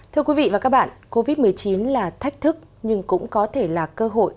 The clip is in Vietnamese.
thưa quý vị và các bạn covid một mươi chín là thách thức nhưng cũng có thể là cơ hội